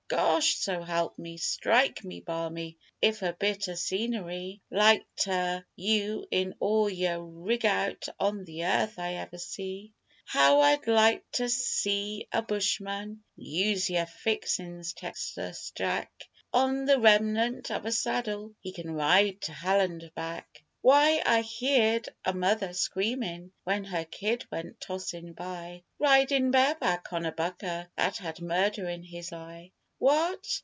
Gosh! so help me! strike me balmy! if a bit o' scenery Like ter you in all yer rig out on the earth I ever see! How I'd like ter see a bushman use yer fixins, Texas Jack; On the remnant of a saddle he can ride to hell and back. Why, I heerd a mother screamin' when her kid went tossin' by Ridin' bareback on a bucker that had murder in his eye. What?